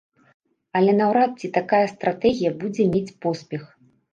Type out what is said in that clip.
Але наўрад ці такая стратэгія будзе мець поспех.